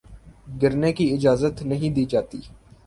گرنے کی اجازت نہیں دی جاتی ہے